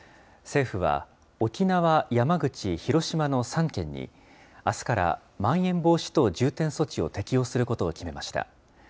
政府は、沖縄、山口、広島の３県に、あすからまん延防止等重点措置を適用することを決めました。